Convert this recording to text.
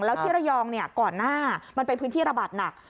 แล้วที่ระยองก่อนหน้ามันเป็นพื้นที่ระบาดหนัก